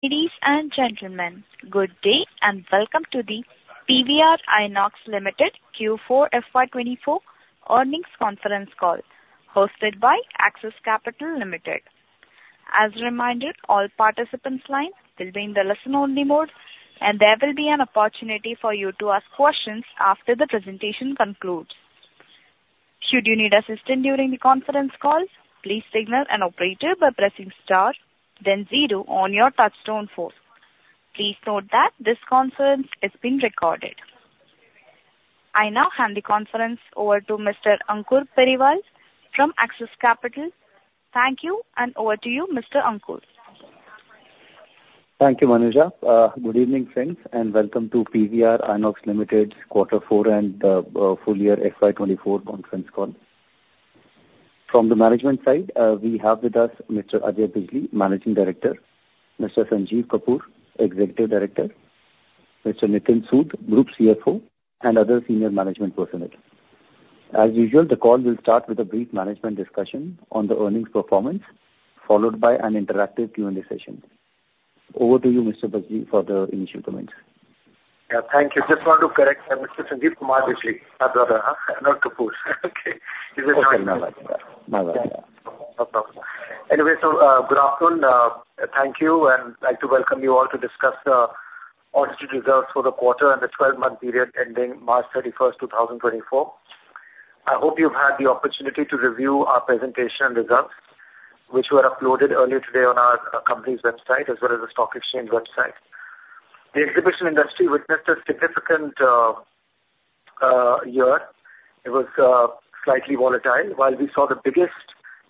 Ladies and gentlemen, good day, and welcome to the PVR INOX Limited Q4 FY 2024 Earnings Conference Call, hosted by Axis Capital Limited. As a reminder, all participants' lines will be in the listen only mode, and there will be an opportunity for you to ask questions after the presentation concludes. Should you need assistance during the conference call, please signal an operator by pressing star then zero on your touchtone phone. Please note that this conference is being recorded. I now hand the conference over to Mr. Ankur Periwal from Axis Capital. Thank you, and over to you, Mr. Ankur. Thank you, Manuja. Good evening, friends, and welcome to PVR INOX Limited's Quarter four and full year FY 2024 conference call. From the management side, we have with us Mr. Ajay Bijli, Managing Director, Mr. Sanjeev Kumar Bijli, Executive Director, Mr. Nitin Sood, Group CFO, and other senior management personnel. As usual, the call will start with a brief management discussion on the earnings performance, followed by an interactive Q&A session. Over to you, Mr. Bijli, for the initial comments. Yeah. Thank you. Just want to correct, Mr. Sanjeev Kumar Bijli, not Kapur. Okay. Okay. No worries. No worries. No problem. Anyway, so, good afternoon. Thank you, and I'd like to welcome you all to discuss the audited results for the quarter and the twelve-month period ending March 31, 2024. I hope you've had the opportunity to review our presentation and results, which were uploaded earlier today on our company's website, as well as the stock exchange website. The exhibition industry witnessed a significant year. It was slightly volatile. While we saw the biggest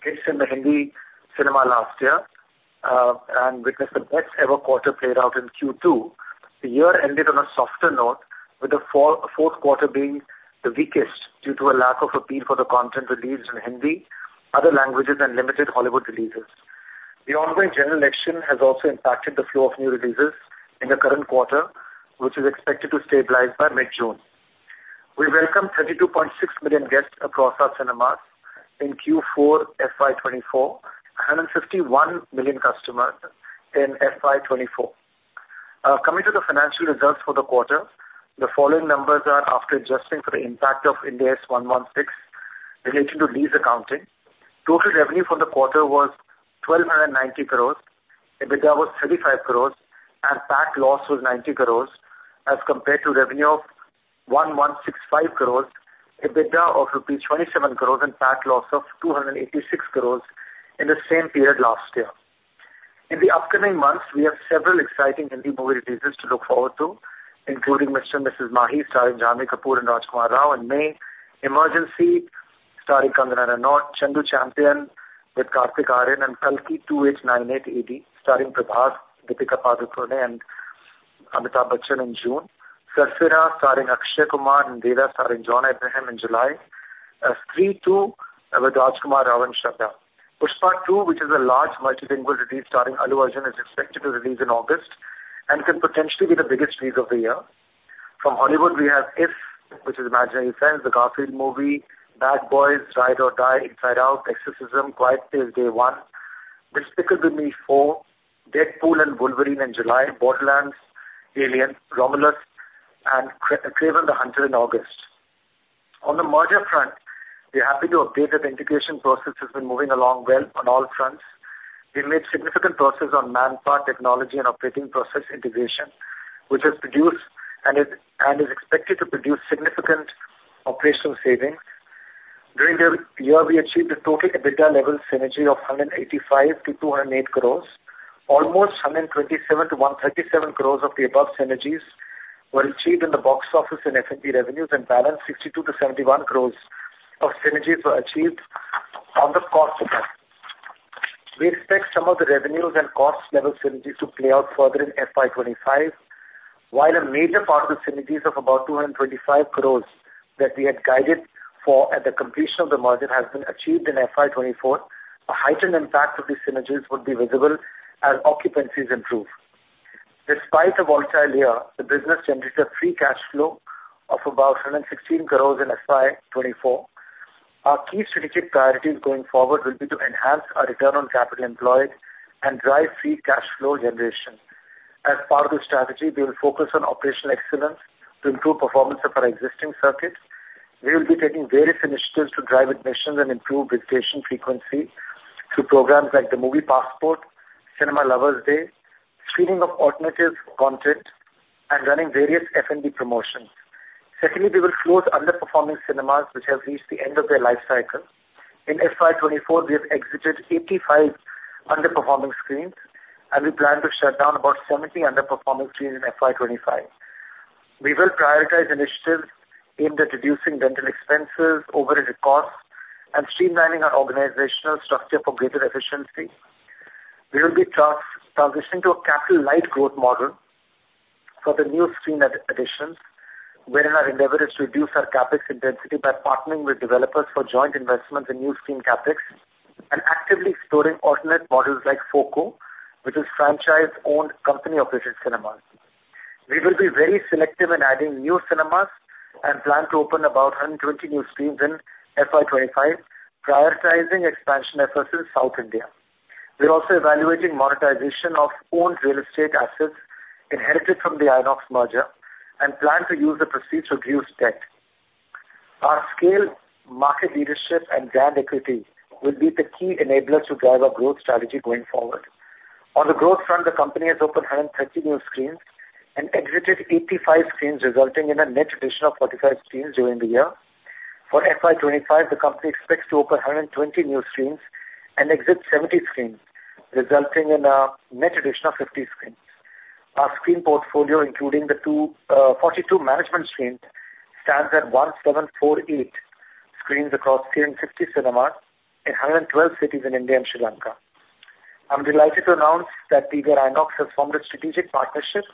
hits in the Hindi cinema last year and witnessed the best ever quarter played out in Q2, the year ended on a softer note, with the fourth quarter being the weakest due to a lack of appeal for the content released in Hindi, other languages and limited Hollywood releases. The ongoing general election has also impacted the flow of new releases in the current quarter, which is expected to stabilize by mid-June. We welcomed 32.6 million guests across our cinemas in Q4 FY 2024, 151 million customers in FY 2024. Coming to the financial results for the quarter, the following numbers are after adjusting for the impact of Ind AS 116 relating to lease accounting. Total revenue for the quarter was 1,290 crores. EBITDA was 35 crores, and PAT loss was 90 crores as compared to revenue of 1,165 crores, EBITDA of rupees 27 crores and PAT loss of 286 crores in the same period last year. In the upcoming months, we have several exciting Hindi movie releases to look forward to, including Mr. & Mrs. Mahi, starring Janhvi Kapoor and Rajkummar Rao in May; Emergency, starring Kangana Ranaut; Chandu Champion with Kartik Aaryan and Kalki 2898 AD, starring Prabhas, Deepika Padukone and Amitabh Bachchan in June. Sarfira starring Akshay Kumar and Vedaa starring John Abraham in July. Stree 2 with Rajkummar Rao and Shraddha Kapoor. Pushpa 2: The Rule, which is a large multilingual release starring Allu Arjun, is expected to release in August and could potentially be the biggest release of the year. From Hollywood, we have IF, which is Imaginary Friends, The Garfield Movie, Bad Boys: Ride or Die, Inside Out 2, The Exorcism, A Quiet Place: Day One, Despicable Me 4, Deadpool & Wolverine in July, Borderlands, Alien: Romulus and Kraven the Hunter in August. On the merger front, we're happy to update that the integration process has been moving along well on all fronts. We've made significant progress on manpower, technology and operating process integration, which has produced and is, and is expected to produce significant operational savings. During the year, we achieved a total EBITDA level synergy of 185 crore-208 crores. Almost 127 crore-137 crores of the above synergies were achieved in the box office and F&B revenues, and balance 62 crore-71 crores of synergies were achieved on the cost front. We expect some of the revenues and cost level synergies to play out further in FY 2025. While a major part of the synergies of about 225 crores that we had guided for at the completion of the merger has been achieved in FY 2024, a heightened impact of these synergies would be visible as occupancies improve. Despite a volatile year, the business generated a free cash flow of about 116 crore in FY 2024. Our key strategic priorities going forward will be to enhance our return on capital employed and drive free cash flow generation. As part of the strategy, we will focus on operational excellence to improve performance of our existing circuits. We will be taking various initiatives to drive admissions and improve visitation frequency through programs like the Movie Passport, Cinema Lovers Day, screening of alternative content and running various F&B promotions. Secondly, we will close underperforming cinemas which have reached the end of their life cycle. In FY 2024, we have exited 85 underperforming screens, and we plan to shut down about 70 underperforming screens in FY 2025. We will prioritize initiatives aimed at reducing rental expenses, overhead costs, and streamlining our organizational structure for greater efficiency. We will be transitioning to a capital-light growth model for the new screen additions, wherein our endeavor is to reduce our CapEx intensity by partnering with developers for joint investments in new screen CapEx and actively exploring alternate models like FOCO, which is Franchise-Owned Company-Operated Cinemas. We will be very selective in adding new cinemas and plan to open about 120 new screens in FY 2025, prioritizing expansion efforts in South India. We're also evaluating monetization of owned real estate assets inherited from the INOX merger and plan to use the proceeds to reduce debt. Our scale, market leadership and brand equity will be the key enablers to drive our growth strategy going forward. On the growth front, the company has opened 130 new screens and exited 85 screens, resulting in a net addition of 45 screens during the year. For FY 2025, the company expects to open 120 new screens and exit 70 screens, resulting in a net addition of 50 screens. Our screen portfolio, including the two, 42 management screens, stands at 1,748 screens across 360 cinemas in 112 cities in India and Sri Lanka. I'm delighted to announce that PVR INOX has formed a strategic partnership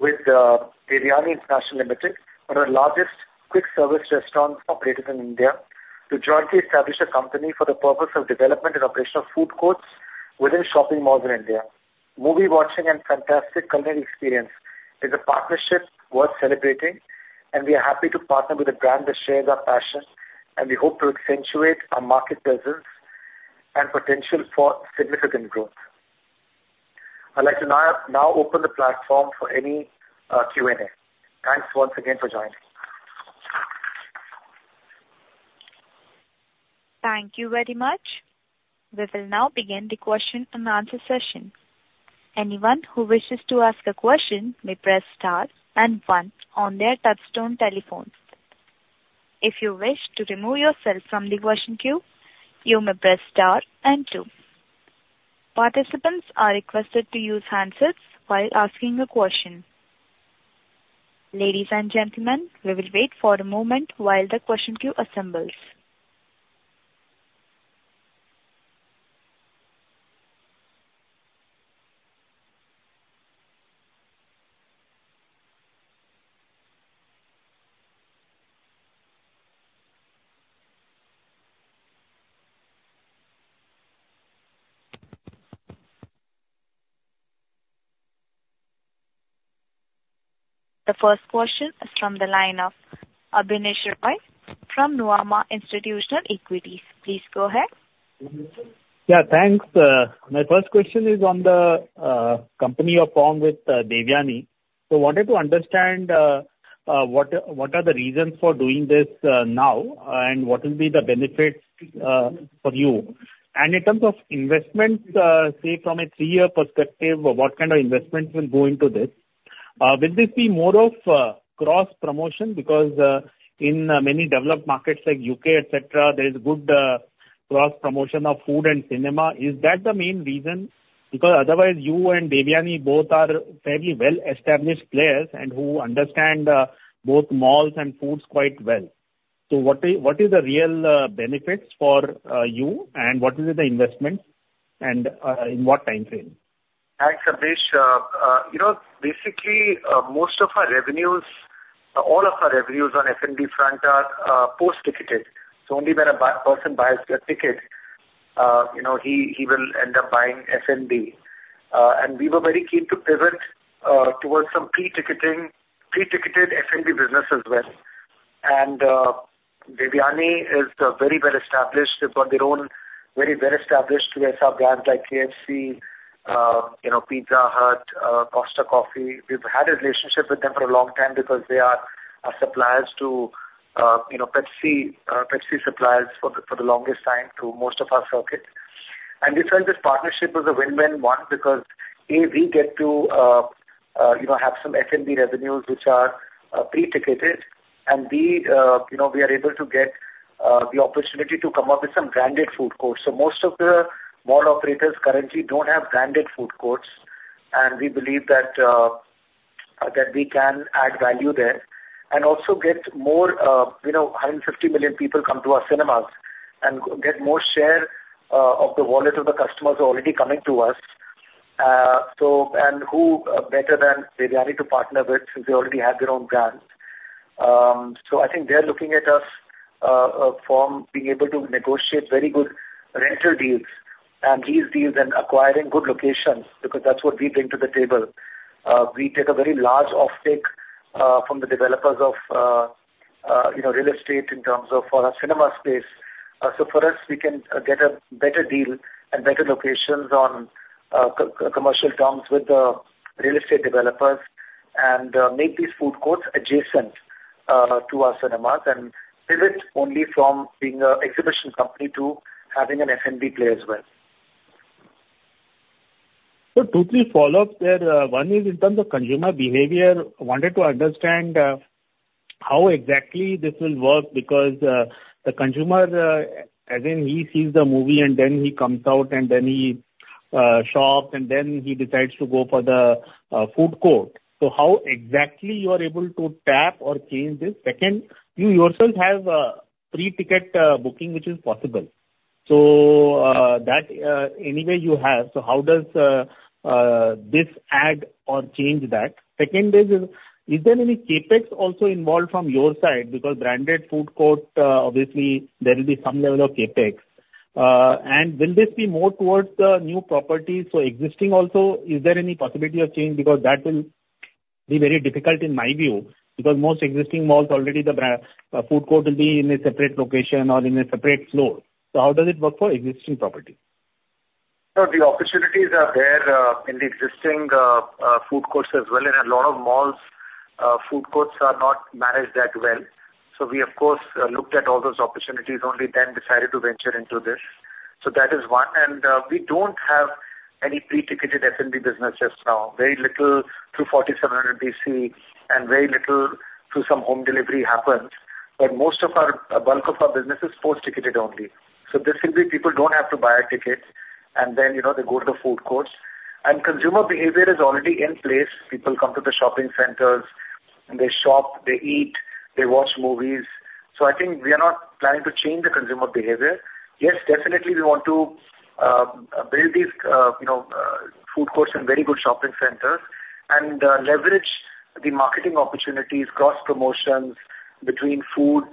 with Devyani International Limited, one of the largest quick service restaurant operators in India, to jointly establish a company for the purpose of development and operation of food courts within shopping malls in India. Movie watching and fantastic culinary experience is a partnership worth celebrating, and we are happy to partner with a brand that shares our passion, and we hope to accentuate our market presence and potential for significant growth. I'd like to now open the platform for any Q&A. Thanks once again for joining. Thank you very much. We will now begin the question and answer session. Anyone who wishes to ask a question may press star and one on their touchtone telephone. If you wish to remove yourself from the question queue, you may press star and two. Participants are requested to use handsets while asking a question. Ladies and gentlemen, we will wait for a moment while the question queue assembles. The first question is from the line of Abneesh Roy from Nuvama Institutional Equities. Please go ahead. Yeah, thanks. My first question is on the company you formed with Devyani. So wanted to understand what are, what are the reasons for doing this now, and what will be the benefits for you? And in terms of investments, say, from a three-year perspective, what kind of investments will go into this? Will this be more of cross-promotion? Because in many developed markets like U.K., et cetera, there is good cross-promotion of food and cinema. Is that the main reason? Because otherwise you and Devyani both are fairly well-established players and who understand both malls and foods quite well. So what is, what is the real benefits for you, and what is the investment and in what time frame? Thanks, Abneesh. You know, basically, most of our revenues, all of our revenues on F&B front are post-ticketed, so only when a person buys the ticket, you know, he, he will end up buying F&B. And we were very keen to pivot towards some pre-ticketing, pre-ticketed F&B business as well. And Devyani is very well established. They've got their own very well-established retail brands like KFC, you know, Pizza Hut, Costa Coffee. We've had a relationship with them for a long time because they are our suppliers to, you know, Pepsi, Pepsi suppliers for the, for the longest time to most of our circuits. And we felt this partnership was a win-win one because, A, we get to, you know, have some F&B revenues which are pre-ticketed, and B, you know, we are able to get the opportunity to come up with some branded food courts. So most of the mall operators currently don't have branded food courts, and we believe that we can add value there and also get more, you know, 150 million people come to our cinemas and get more share of the wallet of the customers already coming to us. So, and who better than Devyani to partner with, since they already have their own brands? So I think they're looking at us from being able to negotiate very good rental deals and lease deals and acquiring good locations, because that's what we bring to the table. We take a very large offtake from the developers of, you know, real estate in terms of our cinema space. So for us, we can get a better deal and better locations on commercial terms with the real estate developers and make these food courts adjacent to our cinemas and pivot only from being an exhibition company to having an F&B play as well. So two, three follow up there. One is in terms of consumer behavior. I wanted to understand how exactly this will work, because the consumer, as in he sees the movie and then he comes out and then he shops, and then he decides to go for the food court. So how exactly you are able to tap or change this? Second, you yourself have pre-ticket booking, which is possible. So that anyway you have, so how does this add or change that? Second is there any CapEx also involved from your side? Because branded food court obviously there will be some level of CapEx, and will this be more towards the new properties? So existing also, is there any possibility of change? Because that will be very difficult in my view, because most existing malls, already the food court will be in a separate location or in a separate floor. So how does it work for existing property? Sir, the opportunities are there in the existing food courts as well. In a lot of malls, food courts are not managed that well. So we of course looked at all those opportunities only then decided to venture into this. So that is one, and we don't have any pre-ticketed F&B businesses now. Very little through 4700BC and very little through some home delivery happens, but most of our, bulk of our business is post-ticketed only. So this simply people don't have to buy a ticket, and then, you know, they go to the food courts. And consumer behavior is already in place. People come to the shopping centers, and they shop, they eat, they watch movies. So I think we are not planning to change the consumer behavior. Yes, definitely, we want to build these, you know, food courts and very good shopping centers and leverage the marketing opportunities, cross promotions between food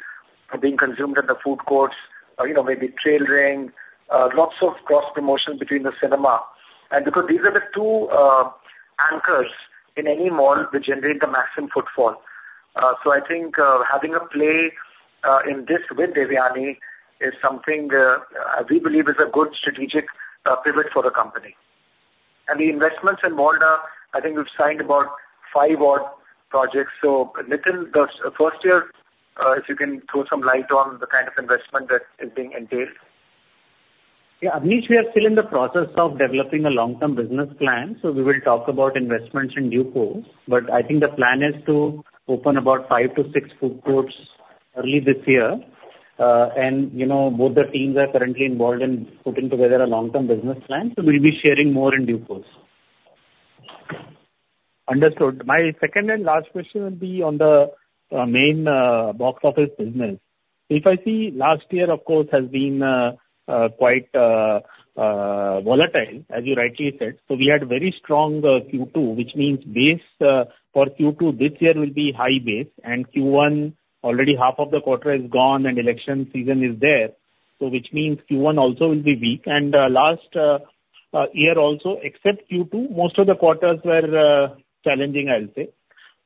being consumed at the food courts, or, you know, maybe trailing lots of cross promotions between the cinema. And because these are the two anchors in any mall which generate the maximum footfall. So I think having a play in this with Devyani is something we believe is a good strategic pivot for the company. And the investments in mall, I think we've signed about five odd projects, so Nitin, the first year, if you can throw some light on the kind of investment that is being entailed. Yeah, Abneesh, we are still in the process of developing a long-term business plan, so we will talk about investments in due course. But I think the plan is to open about five to six food courts early this year. You know, both the teams are currently involved in putting together a long-term business plan, so we'll be sharing more in due course. Understood. My second and last question will be on the main box office business. If I see, last year, of course, has been quite volatile, as you rightly said. So we had very strong Q2, which means base for Q2 this year will be high base, and Q1, already half of the quarter is gone and election season is there. So which means Q1 also will be weak. And last year also, except Q2, most of the quarters were challenging, I'll say.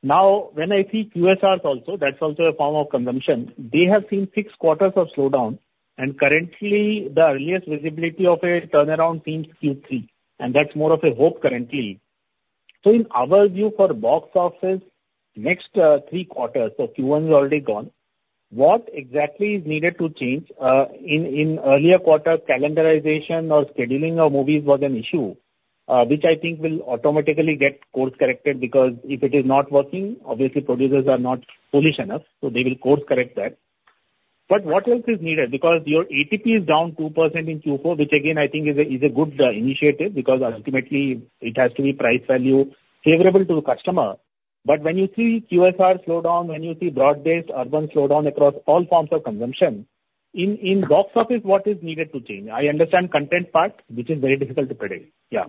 Now, when I see QSRs also, that's also a form of consumption. They have seen six quarters of slowdown, and currently, the earliest visibility of a turnaround seems Q3, and that's more of a hope currently. So in our view, for box office, next three quarters, so Q1 is already gone, what exactly is needed to change? In earlier quarters, calendarization or scheduling of movies was an issue, which I think will automatically get course corrected, because if it is not working, obviously producers are not foolish enough, so they will course correct that. But what else is needed? Because your ATP is down 2% in Q4, which again, I think is a good initiative, because ultimately it has to be price value favorable to the customer. But when you see QSR slow down, when you see broad-based urban slow down across all forms of consumption, in box office, what is needed to change? I understand content part, which is very difficult to predict. Yeah.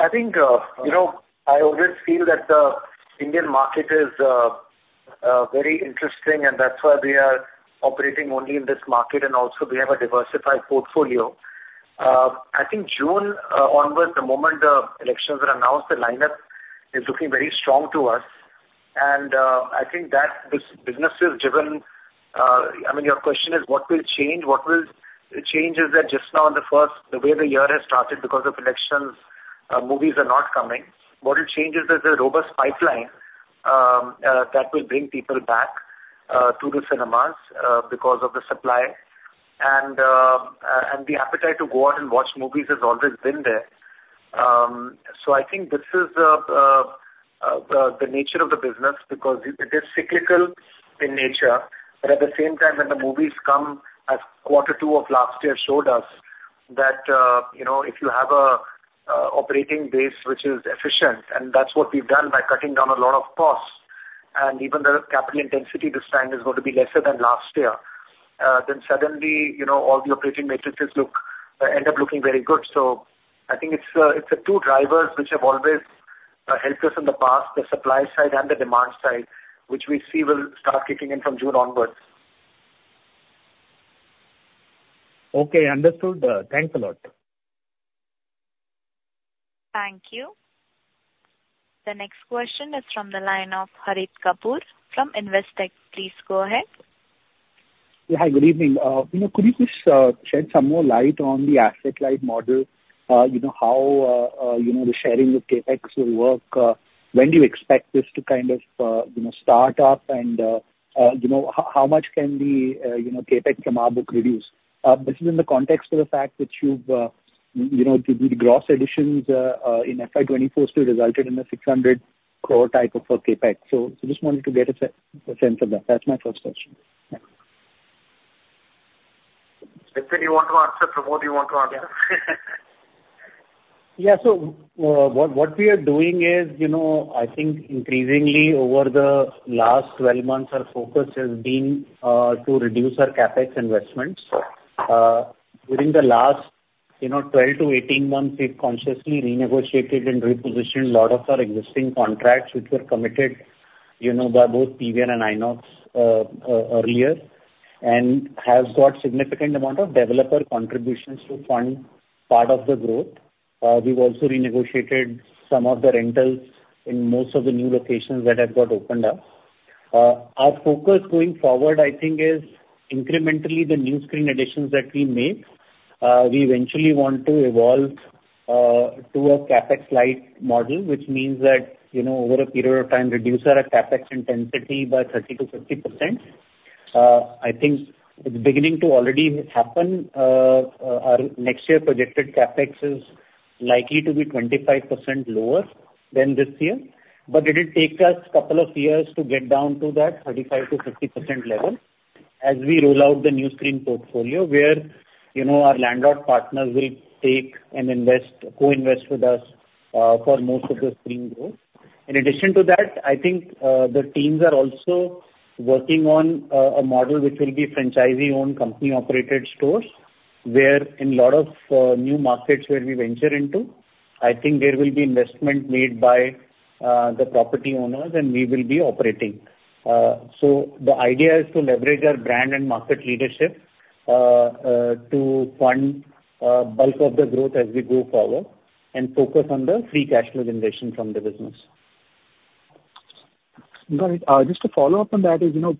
I think, you know, I always feel that the Indian market is very interesting, and that's why we are operating only in this market, and also we have a diversified portfolio. I think June onwards, the moment the elections were announced, the lineup is looking very strong to us, and I think that this business is driven... I mean, your question is what will change? What will change is that just now in the first, the way the year has started because of elections, movies are not coming. What will change is there's a robust pipeline that will bring people back to the cinemas because of the supply and and the appetite to go out and watch movies has always been there. So I think this is the nature of the business, because it is cyclical in nature, but at the same time, when the movies come, as quarter two of last year showed us, that you know, if you have a operating base which is efficient, and that's what we've done by cutting down a lot of costs, and even the capital intensity this time is going to be lesser than last year. Then suddenly, you know, all the operating matrices look end up looking very good. So I think it's it's the two drivers which have always helped us in the past, the supply side and the demand side, which we see will start kicking in from June onwards. Okay, understood. Thanks a lot. Thank you. The next question is from the line of Harit Kapoor, from Investec. Please go ahead. Yeah, hi, good evening. You know, could you please shed some more light on the asset-light model? You know, how the sharing of CapEx will work? When do you expect this to kind of, you know, start up? And, you know, how much can the, you know, CapEx from our book reduce? This is in the context of the fact that you've, you know, the gross additions in FY 2024 still resulted in a 600 crore type of CapEx. So just wanted to get a sense of that. That's my first question. Thanks. Nitin, you want to answer or Pramod, do you want to answer? Yeah, so, what we are doing is, you know, I think increasingly over the last 12 months, our focus has been to reduce our CapEx investments. During the last, you know, 12-18 months, we've consciously renegotiated and repositioned a lot of our existing contracts which were committed, you know, by both PVR and INOX, earlier, and have got significant amount of developer contributions to fund part of the growth. We've also renegotiated some of the rentals in most of the new locations that have got opened up. Our focus going forward, I think, is incrementally the new screen additions that we make. We eventually want to evolve to a CapEx-light model, which means that, you know, over a period of time, reduce our CapEx intensity by 30%-50%. I think it's beginning to already happen. Our next year projected CapEx is likely to be 25% lower than this year, but it'll take us a couple of years to get down to that 35%-50% level as we roll out the new screen portfolio, where, you know, our landlord partners will take and invest, co-invest with us, for most of the screen growth. In addition to that, I think, the teams are also working on, a model which will be franchisee-owned, company-operated stores, where in a lot of, new markets where we venture into, I think there will be investment made by, the property owners, and we will be operating. So the idea is to leverage our brand and market leadership, to fund, bulk of the growth as we go forward and focus on the free cash flow generation from the business. Got it. Just to follow up on that, you know,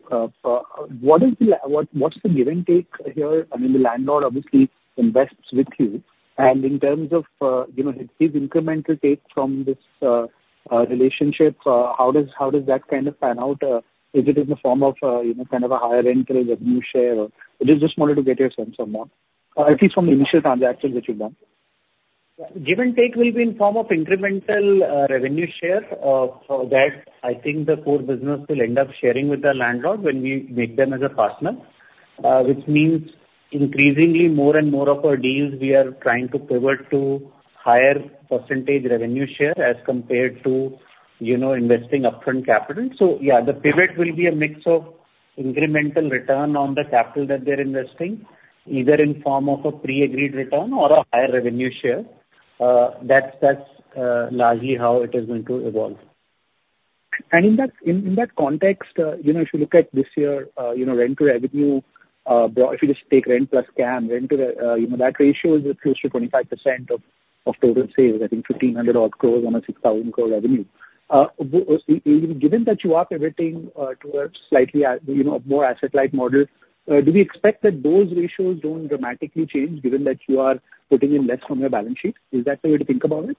what's the give and take here? I mean, the landlord obviously invests with you, and in terms of, you know, his incremental take from this relationship, how does that kind of pan out? Is it in the form of, you know, kind of a higher rental revenue share? Or I just wanted to get your sense on that. At least from the initial transactions which you've done. Give and take will be in form of incremental revenue share for that. I think the core business will end up sharing with the landlord when we make them as a partner. Which means increasingly more and more of our deals, we are trying to pivot to higher percentage revenue share as compared to, you know, investing upfront capital. So yeah, the pivot will be a mix of incremental return on the capital that they're investing, either in form of a pre-agreed return or a higher revenue share. That's largely how it is going to evolve. And in that context, you know, if you look at this year, you know, rental revenue, if you just take rent plus CAM, rental, you know, that ratio is close to 25% of total sales, I think 1,500 odd crores on a 6,000 crore revenue. Given that you are pivoting towards slightly a more asset-light model, do we expect that those ratios don't dramatically change given that you are putting in less from your balance sheet? Is that the way to think about it?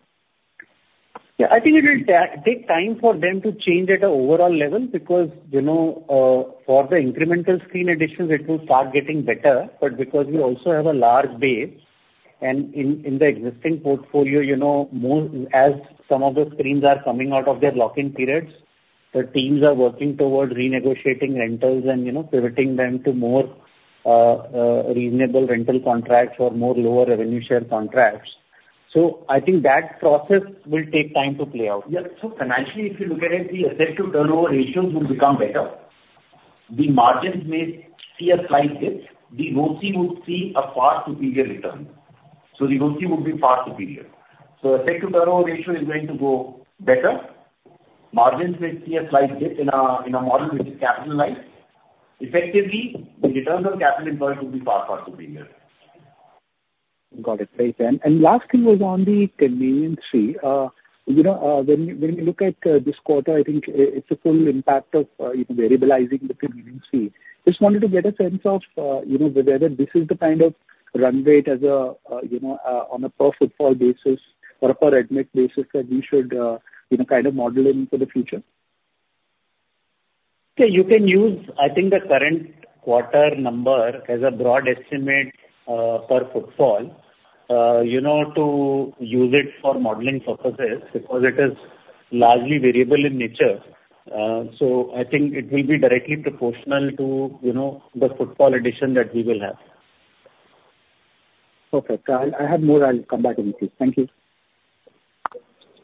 Yeah, I think it will take time for them to change at an overall level because, you know, for the incremental screen additions, it will start getting better. But because we also have a large base, and in the existing portfolio, you know, more as some of the screens are coming out of their lock-in periods, the teams are working towards renegotiating rentals and, you know, pivoting them to more reasonable rental contracts or more lower revenue share contracts. So I think that process will take time to play out. Yeah, so financially, if you look at it, the asset to turnover ratios will become better. The margins may see a slight dip. The ROCE would see a far superior return. So the ROCE would be far superior. So asset to turnover ratio is going to go better. Margins may see a slight dip in our model, which is capitalized. Effectively, the returns on capital employed will be far, far superior. Got it. Thank you. Last thing was on the convenience fee. You know, when we look at this quarter, I think it's a full impact of variabilizing the convenience fee. Just wanted to get a sense of whether this is the kind of run rate as a, you know, on a per footfall basis or a per admit basis that we should kind of model in for the future. Okay. You can use, I think, the current quarter number as a broad estimate, per footfall, you know, to use it for modeling purposes because it is largely variable in nature. So I think it will be directly proportional to, you know, the footfall addition that we will have. Okay. I have more, I'll come back to you. Thank you.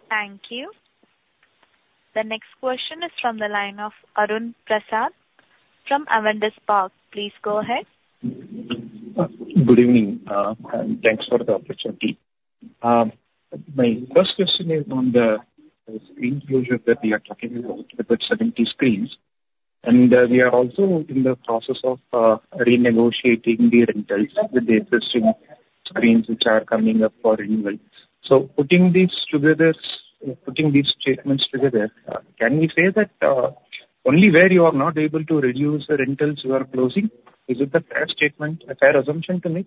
Thank you. The next question is from the line of Arun Prasath from Avendus Spark. Please go ahead. Good evening, and thanks for the opportunity. My first question is on the screen closure that we are talking about, about 70 screens. We are also in the process of renegotiating the rentals with the existing screens which are coming up for renewal. Putting these together, putting these statements together, can we say that only where you are not able to reduce the rentals you are closing? Is it a fair statement, a fair assumption to make?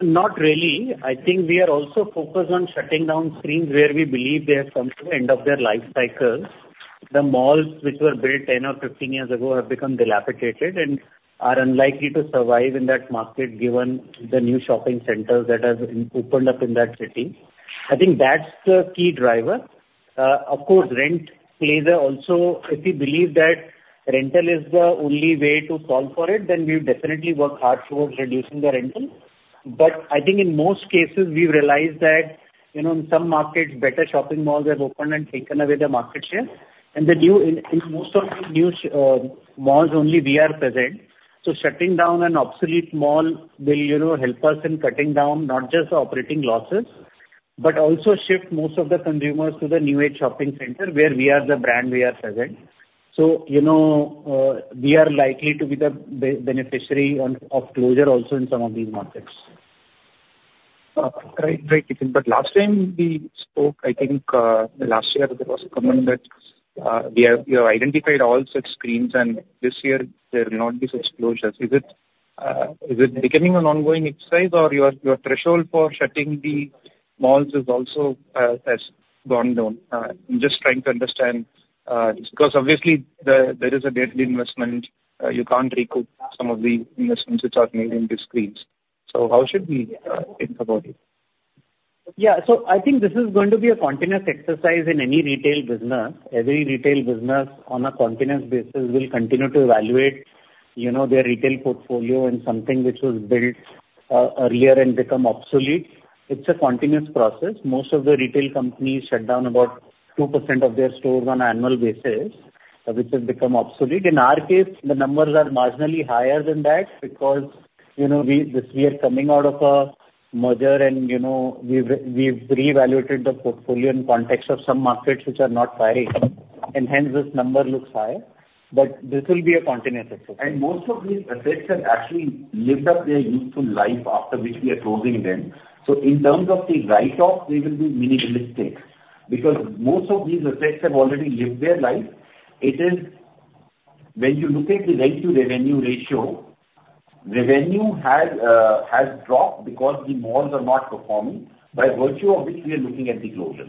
Not really. I think we are also focused on shutting down screens where we believe they have come to the end of their life cycles. The malls which were built 10 or 15 years ago have become dilapidated and are unlikely to survive in that market, given the new shopping centers that have opened up in that city. I think that's the key driver. Of course, rent plays a also. If we believe that rental is the only way to solve for it, then we'll definitely work hard towards reducing the rental. But I think in most cases, we've realized that, you know, in some markets, better shopping malls have opened and taken away the market share. And the new, in most of the new malls, only we are present. So shutting down an obsolete mall will, you know, help us in cutting down not just the operating losses, but also shift most of the consumers to the new age shopping center, where we are the brand we are present. So, you know, we are likely to be the beneficiary of closure also in some of these markets. Right, right. But last time we spoke, I think, last year there was a comment that we have identified all such screens, and this year there will not be such closures. Is it becoming an ongoing exercise or your threshold for shutting the malls is also has gone down? I'm just trying to understand, because obviously there is a data investment, you can't recoup some of the investments which are made in the screens. So how should we think about it? Yeah. So I think this is going to be a continuous exercise in any retail business. Every retail business, on a continuous basis, will continue to evaluate, you know, their retail portfolio and something which was built earlier and become obsolete. It's a continuous process. Most of the retail companies shut down about 2% of their stores on annual basis, which has become obsolete. In our case, the numbers are marginally higher than that because, you know, we this year coming out of a merger and, you know, we've reevaluated the portfolio in context of some markets which are not firing, and hence this number looks high. But this will be a continuous exercise. And most of the assets have actually lived up their useful life, after which we are closing them. So in terms of the write-off, we will be minimalistic because most of these assets have already lived their life. It is when you look at the ratio, revenue ratio, revenue has dropped because the malls are not performing, by virtue of which we are looking at the closure.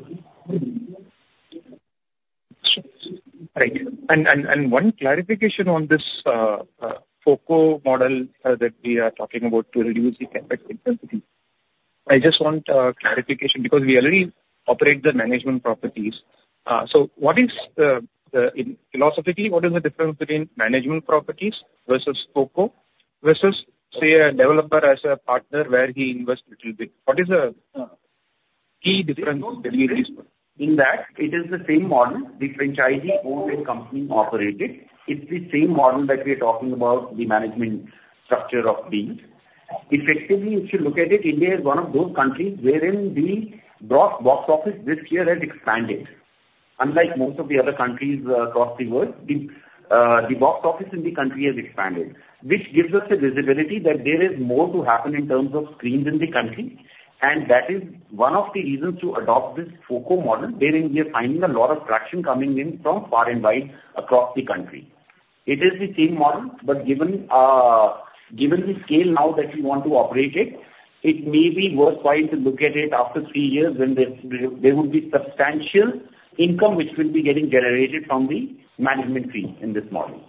Right. And one clarification on this FOCO model that we are talking about to reduce the CapEx intensity. I just want clarification because we already operate the management properties. So what is the philosophically, what is the difference between management properties versus FOCO, versus say a developer as a partner where he invests little bit? What is the key difference between this one? In that it is the same model, the franchisee-owned and company-operated. It's the same model that we are talking about, the management structure of things. Effectively, if you look at it, India is one of those countries wherein the box office this year has expanded. Unlike most of the other countries, across the world, the box office in the country has expanded, which gives us a visibility that there is more to happen in terms of screens in the country, and that is one of the reasons to adopt this FOCO model, wherein we are finding a lot of traction coming in from far and wide across the country. It is the same model, but given the scale now that we want to operate it, it may be worthwhile to look at it after three years when there will be substantial income which will be getting generated from the management fee in this model.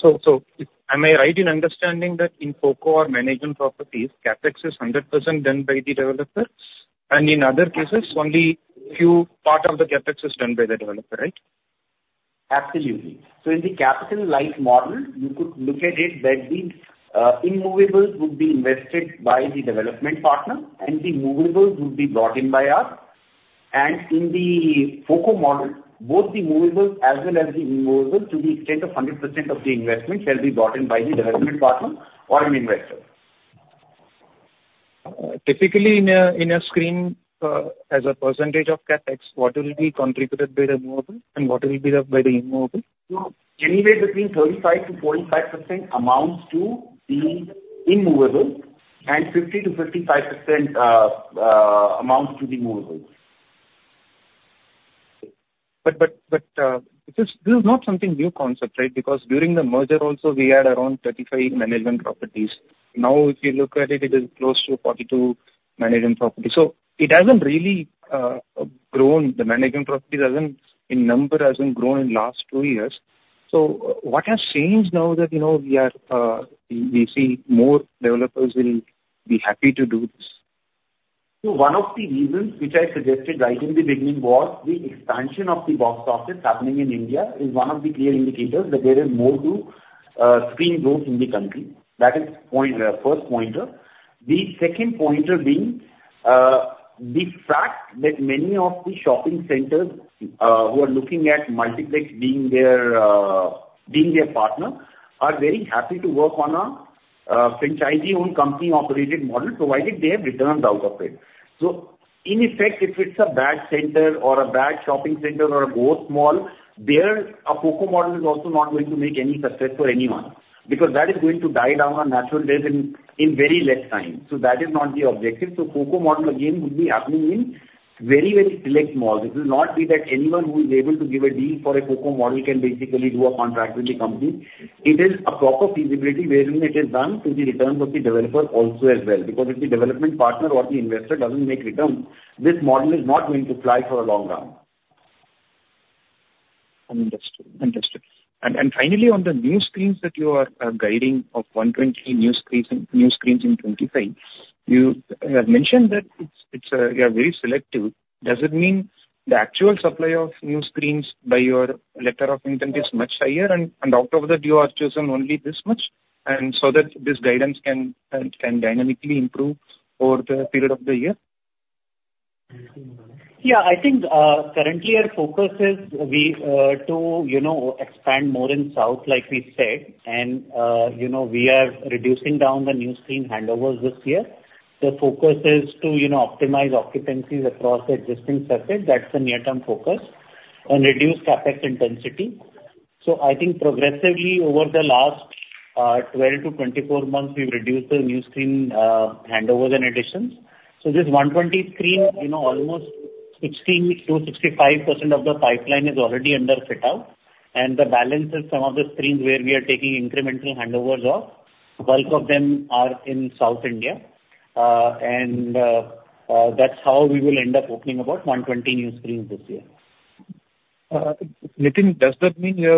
So, am I right in understanding that in FOCO or management properties, CapEx is 100% done by the developer, and in other cases, only few part of the CapEx is done by the developer, right? Absolutely. In the capital light model, you could look at it that the immovables would be invested by the development partner, and the movables would be brought in by us. In the FOCO model, both the movables as well as the immovables, to the extent of 100% of the investment, shall be brought in by the development partner or an investor. Typically, in a screen, as a percentage of CapEx, what will be contributed by the movable and what will be the, by the immovable? So anywhere between 35%-45% amounts to the immovable, and 50%-55% amounts to the movables. But this is not something new concept, right? Because during the merger also, we had around 35 management properties. Now, if you look at it, it is close to 42 management properties. So it hasn't really grown. The management properties hasn't, in number, hasn't grown in last two years. So what has changed now that, you know, we are, we see more developers will be happy to do this? So one of the reasons which I suggested right in the beginning was the expansion of the box office happening in India, is one of the clear indicators that there is more to screen growth in the country. That is point first pointer. The second pointer being the fact that many of the shopping centers who are looking at multiplex being their partner are very happy to work on a franchise-owned, company-operated model, provided they have returns out of it. So in effect, if it's a bad center or a bad shopping center or a ghost mall, there a FOCO model is also not going to make any success for anyone, because that is going to die down on natural death in very less time. So that is not the objective. So FOCO model again, would be happening in very, very select malls. It will not be that anyone who is able to give a deal for a FOCO model can basically do a contract with the company. It is a proper feasibility wherein it is done to the returns of the developer also as well, because if the development partner or the investor doesn't make returns, this model is not going to fly for a long run. Understood. Understood. Finally, on the new screens that you are guiding of 120 new screens in 2025, you mentioned that it's you are very selective. Does it mean the actual supply of new screens by your letter of intent is much higher, and out of that you have chosen only this much? So that this guidance can dynamically improve over the period of the year? Yeah, I think currently our focus is we to, you know, expand more in South, like we said, and you know, we are reducing down the new screen handovers this year. The focus is to, you know, optimize occupancies across the existing surface. That's the near-term focus, and reduce CapEx intensity. So I think progressively over the last 12-24 months, we've reduced the new screen handovers and additions. So this 120 screen, you know, almost 16%-65% of the pipeline is already under fit-out, and the balance is some of the screens where we are taking incremental handovers of. Bulk of them are in South India. And that's how we will end up opening about 120 new screens this year. Nitin, does that mean you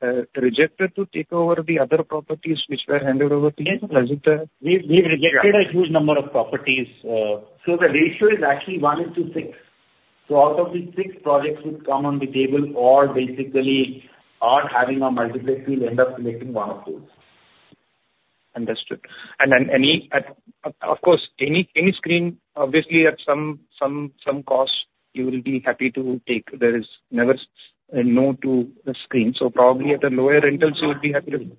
have rejected to take over the other properties which were handed over to you? Yes, we rejected a huge number of properties. So the ratio is actually one to six. So out of the six projects which come on the table or basically are having a multiplex, we end up selecting one of those. Understood. Then any, of course, any screen, obviously, at some cost you will be happy to take. There is never a no to the screen, so probably at a lower rental, so you'll be happy to take.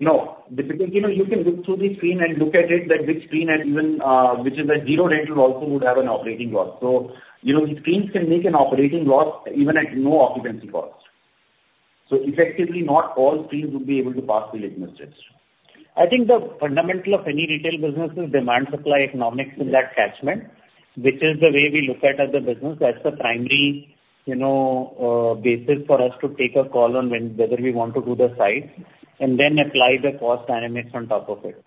No. Because, you know, you can look through the screen and look at it, that which screen and even which is a zero rental also would have an operating loss. So, you know, the screens can make an operating loss even at no occupancy cost. So effectively, not all screens would be able to pass the litmus test. I think the fundamental of any retail business is demand-supply economics in that catchment, which is the way we look at as a business. That's the primary, you know, basis for us to take a call on when, whether we want to do the site, and then apply the cost dynamics on top of it.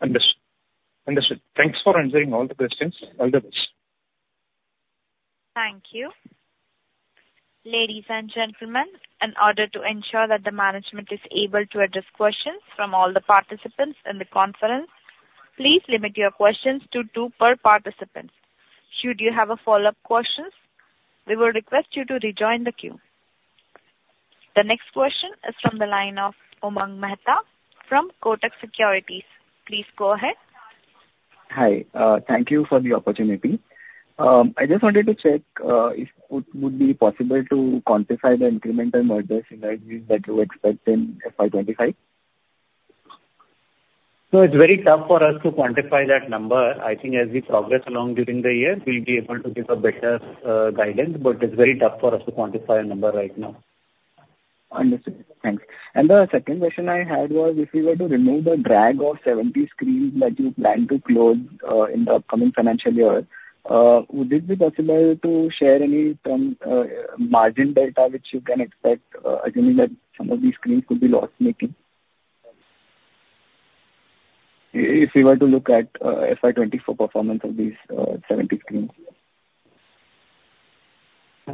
Understood. Understood. Thanks for answering all the questions. All the best. Thank you. Ladies and gentlemen, in order to ensure that the management is able to address questions from all the participants in the conference, please limit your questions to two per participant. Should you have a follow-up question, we will request you to rejoin the queue. The next question is from the line of Umang Mehta from Kotak Securities. Please go ahead. Hi, thank you for the opportunity. I just wanted to check if it would be possible to quantify the incremental mergers and acquisitions that you expect in FY 2025? It's very tough for us to quantify that number. I think as we progress along during the year, we'll be able to give a better guidance, but it's very tough for us to quantify a number right now. Understood. Thanks. The second question I had was, if you were to remove the drag of 70 screens that you plan to close in the upcoming financial year, would it be possible to share any term margin data which you can expect, assuming that some of these screens could be loss-making? If we were to look at FY 2024 performance of these 70 screens.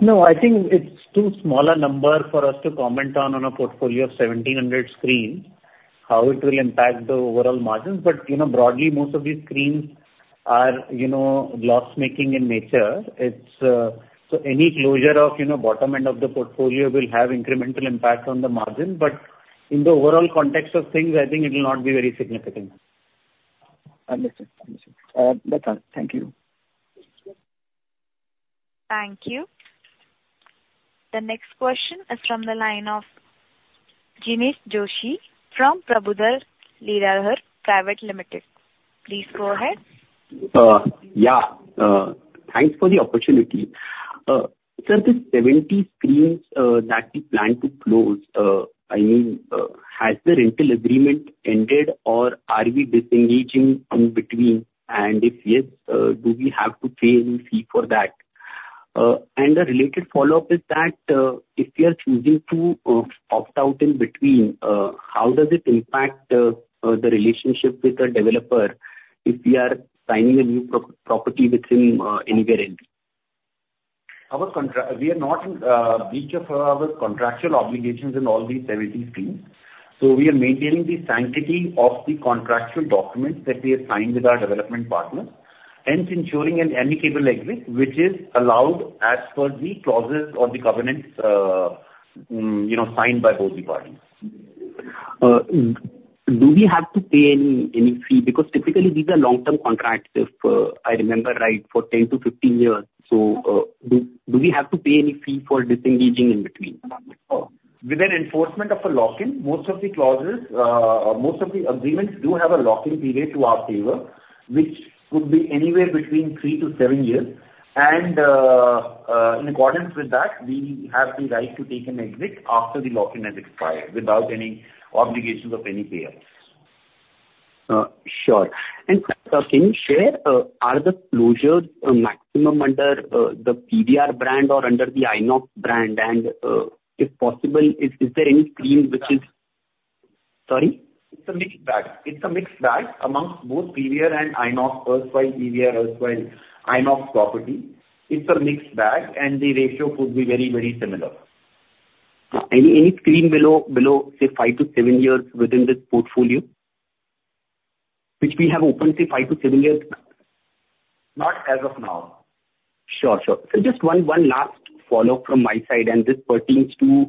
No, I think it's too small a number for us to comment on, on a portfolio of 1,700 screens, how it will impact the overall margins. But, you know, broadly, most of these screens are, you know, loss-making in nature. It's so any closure of, you know, bottom end of the portfolio will have incremental impact on the margin. But in the overall context of things, I think it will not be very significant. Understood. Understood. That's all. Thank you. Thank you. The next question is from the line of Jinesh Joshi from Prabhudas Lilladher Pvt. Ltd. Please go ahead. Yeah, thanks for the opportunity. So the 70 screens that we plan to close, I mean, has the rental agreement ended or are we disengaging in between? And if yes, do we have to pay any fee for that? And a related follow-up is that, if we are choosing to opt out in between, how does it impact the relationship with the developer if we are signing a new property with him anywhere else? Our contract... We are not in breach of our contractual obligations in all these 70 screens. So we are maintaining the sanctity of the contractual documents that we have signed with our development partners, hence ensuring an amicable exit, which is allowed as per the clauses or the covenants, you know, signed by both the parties. Do we have to pay any fee? Because typically these are long-term contracts, if I remember right, for 10-15 years. Do we have to pay any fee for disengaging in between? Oh, with an enforcement of a lock-in, most of the clauses, most of the agreements do have a lock-in period to our favor, which could be anywhere between three to seven years. And, in accordance with that, we have the right to take an exit after the lock-in exit period without any obligations of any payout. Sure. And, can you share, are the closures a maximum under the PVR brand or under the INOX brand? And, if possible, is there any screen which is... Sorry? It's a mixed bag. It's a mixed bag amongst both PVR and INOX, everywhere PVR, everywhere INOX property. It's a mixed bag, and the ratio could be very, very similar. Any screen below, say, five to seven years within this portfolio?... which we have opened, say, five to seven years? Not as of now. Sure, sure. So just one last follow-up from my side, and this pertains to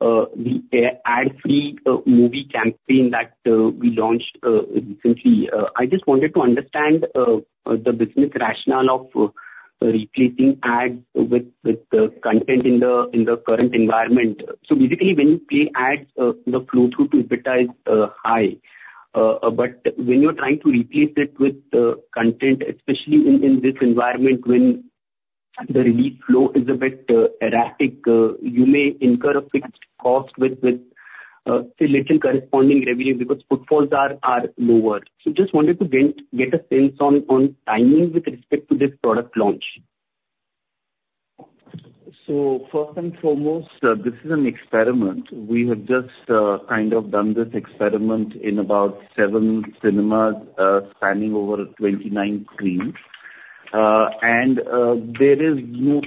the ad-free movie campaign that we launched recently. I just wanted to understand the business rationale of replacing ads with content in the current environment. So basically, when you play ads, the flow-through to EBITDA is high. But when you're trying to replace it with content, especially in this environment when the release flow is a bit erratic, you may incur a fixed cost with, say, little corresponding revenue because footfalls are lower. So just wanted to get a sense on timing with respect to this product launch. So first and foremost, this is an experiment. We have just kind of done this experiment in about seven cinemas, spanning over 29 screens. And there is no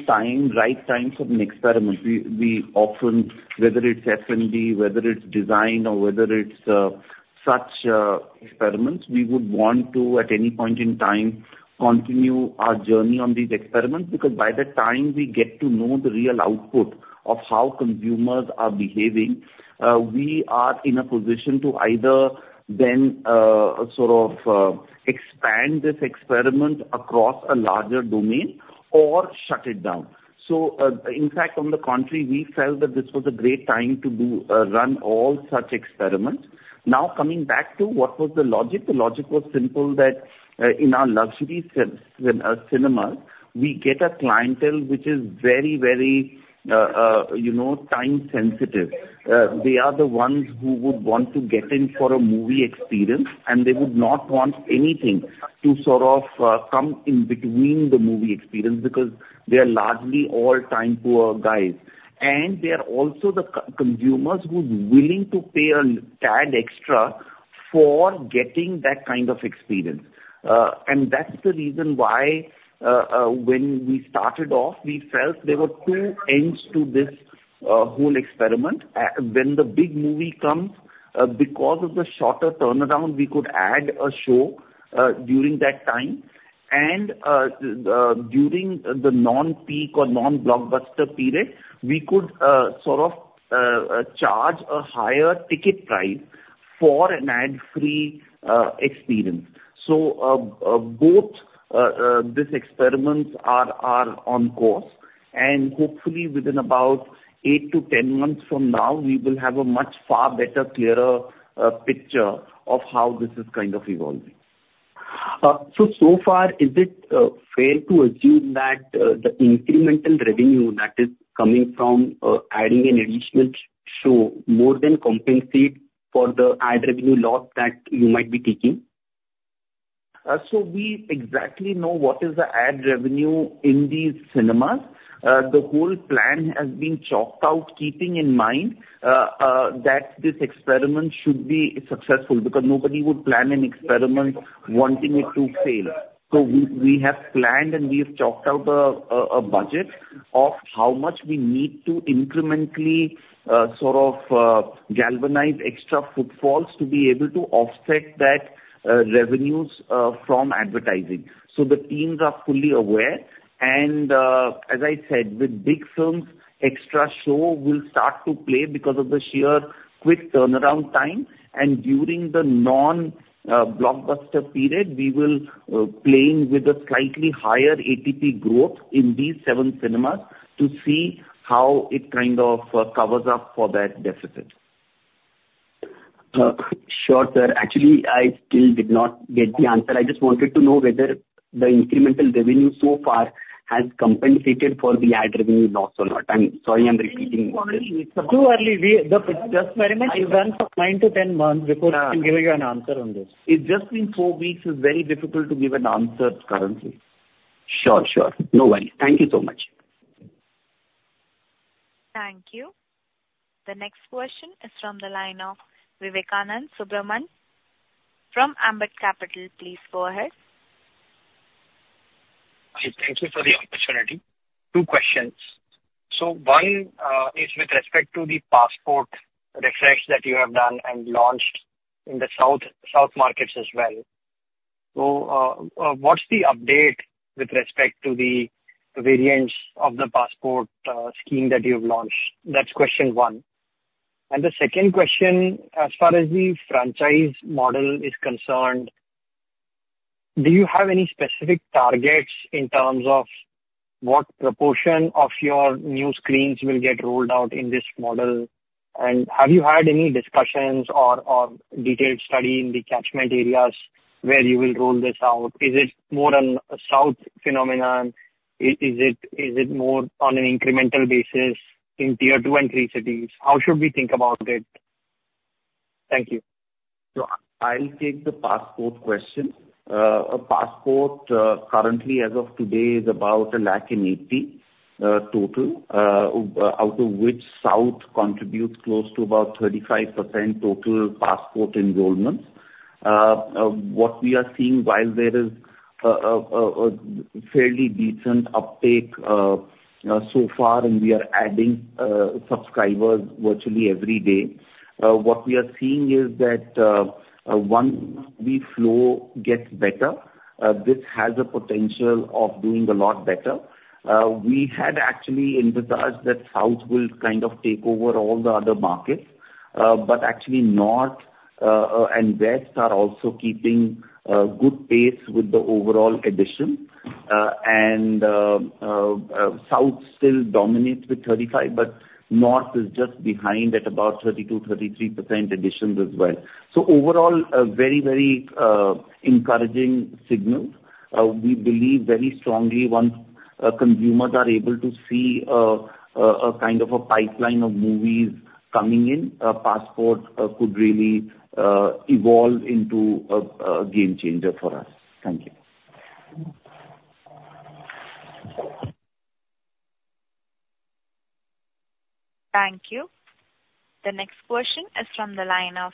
right time for an experiment. We often, whether it's F&B, whether it's design, or whether it's such experiments, we would want to, at any point in time, continue our journey on these experiments. Because by the time we get to know the real output of how consumers are behaving, we are in a position to either then sort of expand this experiment across a larger domain or shut it down. So in fact, on the contrary, we felt that this was a great time to do run all such experiments. Now, coming back to what was the logic? The logic was simple that in our luxury cinemas, we get a clientele which is very, very, you know, time sensitive. They are the ones who would want to get in for a movie experience, and they would not want anything to sort of come in between the movie experience, because they are largely all time poor guys. They are also the consumers who are willing to pay a tad extra for getting that kind of experience. And that's the reason why, when we started off, we felt there were two ends to this whole experiment. When the big movie comes, because of the shorter turnaround, we could add a show during that time. During the non-peak or non-blockbuster period, we could sort of charge a higher ticket price for an ad-free experience. These experiments are on course, and hopefully within about eight to 10 months from now, we will have a much far better, clearer picture of how this is kind of evolving. So far, is it fair to assume that the incremental revenue that is coming from adding an additional show more than compensates for the ad revenue loss that you might be taking? So we exactly know what is the ad revenue in these cinemas. The whole plan has been chalked out, keeping in mind that this experiment should be successful, because nobody would plan an experiment wanting it to fail. So we have planned and we have chalked out a budget of how much we need to incrementally sort of galvanize extra footfalls to be able to offset that revenues from advertising. So the teams are fully aware, and as I said, with big films, extra show will start to play because of the sheer quick turnaround time. And during the non-blockbuster period, we will playing with a slightly higher ATP growth in these seven cinemas to see how it kind of covers up for that deficit. Sure, sir. Actually, I still did not get the answer. I just wanted to know whether the incremental revenue so far has compensated for the ad revenue loss or not? I'm sorry, I'm repeating. Too early. We- the experiment will run for nine to 10 months before. We can give you an answer on this. It's just been four weeks, it's very difficult to give an answer currently. Sure, sure. No worry. Thank you so much. Thank you. The next question is from the line of Vivekanand Subbaraman from Ambit Capital. Please go ahead. Hi, thank you for the opportunity. Two questions. So one is with respect to the passport refresh that you have done and launched in the South, South markets as well. So, what's the update with respect to the variants of the passport scheme that you've launched? That's question one. And the second question, as far as the franchise model is concerned, do you have any specific targets in terms of what proportion of your new screens will get rolled out in this model? And have you had any discussions or detailed study in the catchment areas where you will roll this out? Is it more a South phenomenon? Is it more on an incremental basis in Tier Two and Three cities? How should we think about it? Thank you. So, I'll take the passport question. A passport currently as of today is about 1.8 lakh total out of which South contributes close to about 35% total passport enrollment. What we are seeing while there is a fairly decent uptake so far and we are adding subscribers virtually every day what we are seeing is that once the flow gets better this has a potential of doing a lot better. We had actually envisaged that South will kind of take over all the other markets but actually North and West are also keeping good pace with the overall addition. And South still dominates with 35% but North is just behind at about 32%-33% additions as well. So overall, a very, very, encouraging signal. We believe very strongly once consumers are able to see a kind of a pipeline of movies coming in, Passport could really evolve into a game changer for us. Thank you. Thank you. The next question is from the line of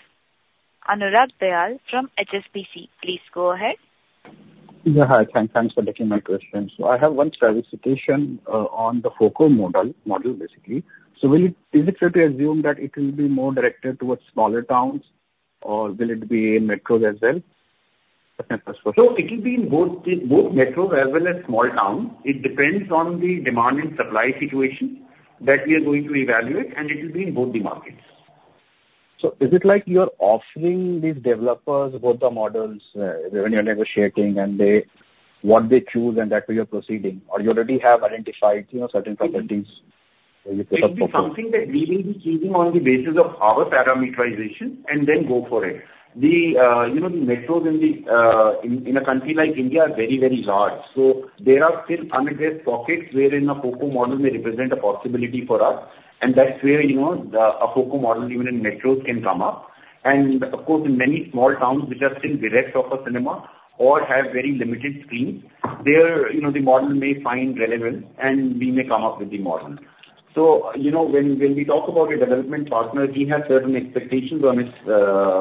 Anurag Dayal from HSBC. Please go ahead. Yeah, hi. Thanks for taking my question. So I have one clarification on the FOCO model, basically. So is it fair to assume that it will be more directed towards smaller towns, or will it be in metros as well? It will be in both, both metros as well as small towns. It depends on the demand and supply situation that we are going to evaluate, and it will be in both the markets. So is it like you are offering these developers both the models when you're negotiating and they what they choose and that way you're proceeding, or you already have identified, you know, certain properties? It will be something that we will be choosing on the basis of our parameterization and then go for it. The, you know, the metros in a country like India are very, very large. So there are still unaddressed pockets wherein a FOCO model may represent a possibility for us, and that's where, you know, a FOCO model even in metros can come up. And of course, in many small towns which are still bereft of a cinema or have very limited screens, there, you know, the model may find relevant, and we may come up with the model. So, you know, when we talk about a development partner, he has certain expectations on his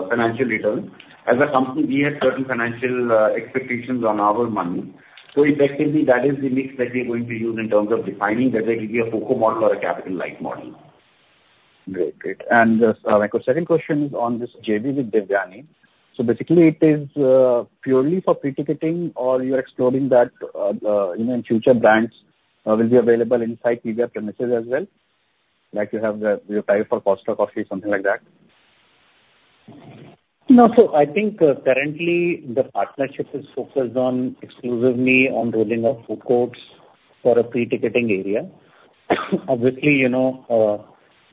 financial return. As a company, we have certain financial expectations on our money. So effectively, that is the mix that we are going to use in terms of defining whether it will be a FOCO model or a capital-light model. Great. Great. And, my second question is on this JV with Devyani. So basically, it is, purely for pre-ticketing, or you are exploring that, you know, in future, brands, will be available inside PVR premises as well, like you have the, your tie-up for Costa Coffee, something like that? No. So I think, currently the partnership is focused exclusively on rolling out food courts for a pre-ticketing area. Obviously, you know,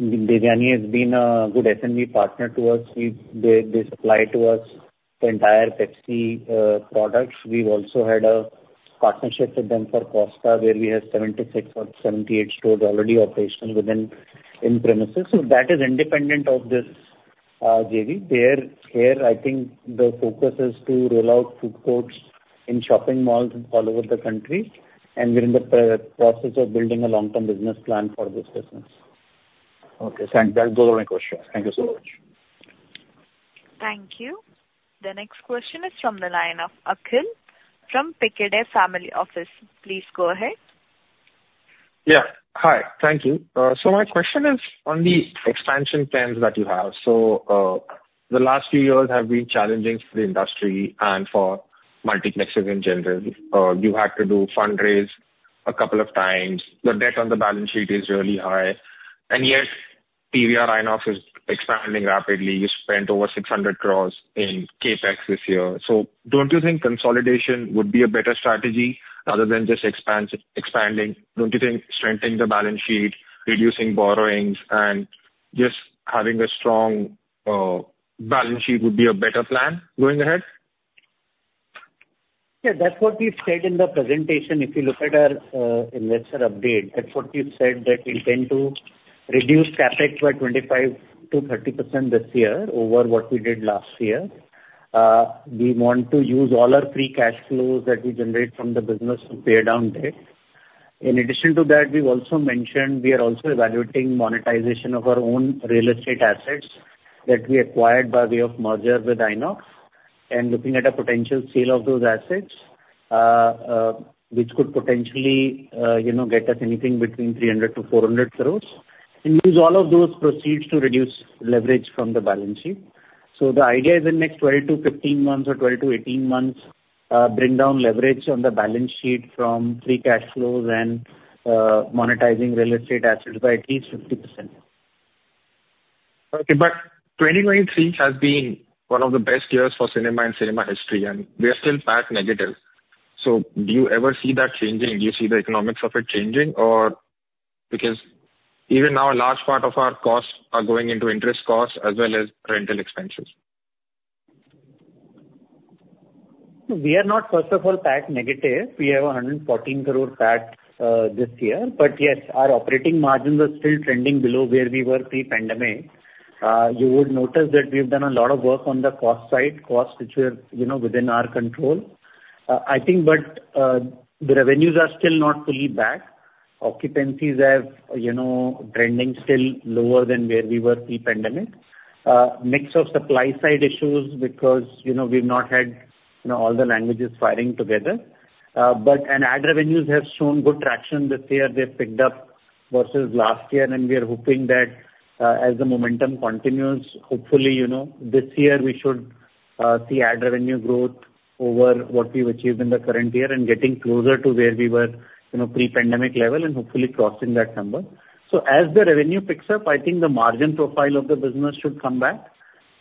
Devyani has been a good SME partner to us. They, they supply to us the entire Pepsi products. We've also had a partnership with them for Costa, where we have 76 or 78 stores already operational within, in premises. So that is independent of this JV. Here, I think the focus is to roll out food courts in shopping malls all over the country, and we're in the process of building a long-term business plan for this business. Okay, thanks. That's both of my questions. Thank you so much. Thank you. The next question is from the line of Akhil from Piccadily Family Office. Please go ahead. Yeah. Hi. Thank you. So my question is on the expansion plans that you have. So, the last few years have been challenging for the industry and for multiplexes in general. You had to do fundraise a couple of times. Your debt on the balance sheet is really high, and yet PVR INOX is expanding rapidly. You spent over 600 crores in CapEx this year. So don't you think consolidation would be a better strategy other than just expanding? Don't you think strengthening the balance sheet, reducing borrowings, and just having a strong balance sheet would be a better plan going ahead? Yeah, that's what we've said in the presentation. If you look at our investor update, that's what we've said, that we intend to reduce CapEx by 25%-30% this year over what we did last year. We want to use all our free cash flows that we generate from the business to pay down debt. In addition to that, we've also mentioned we are also evaluating monetization of our own real estate assets that we acquired by way of merger with INOX, and looking at a potential sale of those assets, which could potentially, you know, get us anything between 300 crore-400 crore, and use all of those proceeds to reduce leverage from the balance sheet. So the idea is in next 12-15 months or 12-18 months, bring down leverage on the balance sheet from free cash flows and, monetizing real estate assets by at least 50%. Okay, but 2023 has been one of the best years for cinema and cinema history, and we are still PAT negative. So do you ever see that changing? Do you see the economics of it changing or... Because even now, a large part of our costs are going into interest costs as well as rental expenses. We are not, first of all, PAT negative. We have 114 crore PAT this year. But yes, our operating margins are still trending below where we were pre-pandemic. You would notice that we've done a lot of work on the cost side, costs which were, you know, within our control. I think but the revenues are still not fully back, occupancies are, you know, trending still lower than where we were pre-pandemic. Mix of supply side issues, because, you know, we've not had, you know, all the languages firing together. But and ad revenues have shown good traction this year. They've picked up versus last year, and we are hoping that, as the momentum continues, hopefully, you know, this year we should see ad revenue growth over what we've achieved in the current year and getting closer to where we were, you know, pre-pandemic level and hopefully crossing that number. So as the revenue picks up, I think the margin profile of the business should come back.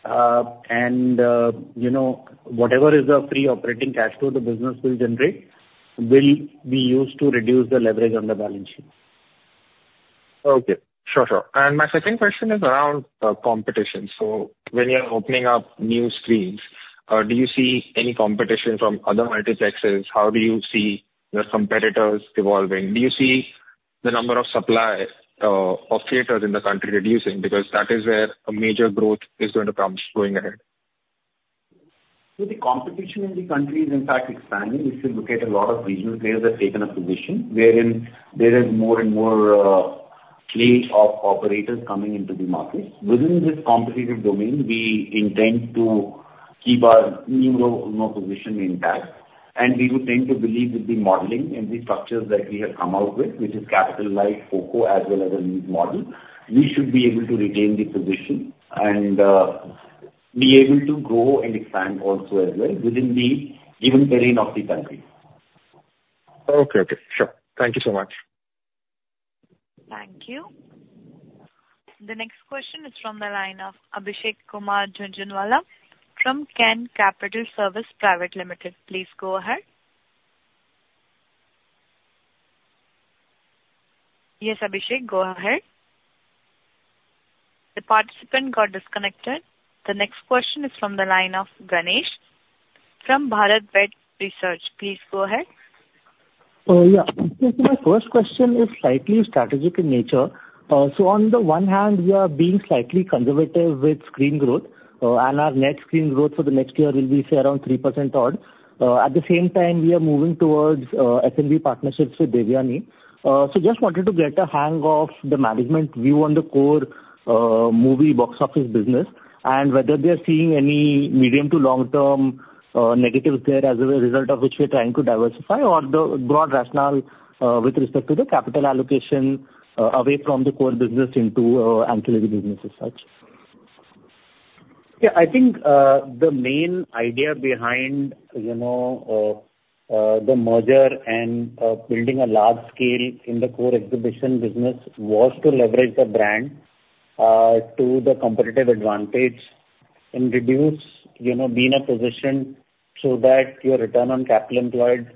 And, you know, whatever is the free operating cash flow the business will generate, will be used to reduce the leverage on the balance sheet. Okay. Sure, sure. And my second question is around competition. So when you are opening up new screens, do you see any competition from other multiplexes? How do you see your competitors evolving? Do you see the number of suppliers of theaters in the country reducing? Because that is where a major growth is going to come going ahead. So the competition in the country is in fact expanding. If you look at a lot of regional players have taken a position wherein there is more and more, fleet of operators coming into the market. Within this competitive domain, we intend to keep our, you know, position intact, and we would tend to believe with the modeling and the structures that we have come out with, which is capitalized FOCO as well as a lease model, we should be able to retain the position and, be able to grow and expand also as well within the given terrain of the country. Okay, okay. Sure. Thank you so much. Thank you. The next question is from the line of Abhishek Kumar Jhunjhunwala, from Ken Capital Services Private Limited. Please go ahead. Yes, Abhishek, go ahead. The participant got disconnected. The next question is from the line of Rajnish from BharatPe Research. Please go ahead. Yeah. So my first question is slightly strategic in nature. So on the one hand, we are being slightly conservative with screen growth, and our net screen growth for the next year will be, say, around 3% odd. At the same time, we are moving towards, F&B partnerships with Devyani. So just wanted to get a hang of the management view on the core, movie box office business, and whether they are seeing any medium to long-term, negatives there as a result of which we are trying to diversify, or the broad rationale, with respect to the capital allocation, away from the core business into, ancillary business as such. Yeah, I think, the main idea behind, you know, the merger and, building a large scale in the core exhibition business was to leverage the brand, to the competitive advantage and reduce, you know, be in a position so that your return on capital employed,